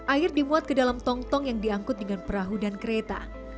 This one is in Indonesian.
air dimuat ke dalam tong tong yang diangkut dengan perahu dan kereta